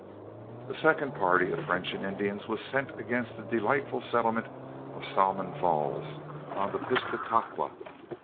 A second party of French and Indians was sent against the delightful settlement of Salmon Falls, on the Piscataqua.